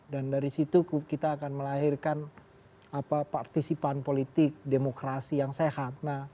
dan dari situ kita akan melahirkan partisipan politik demokrasi yang sehat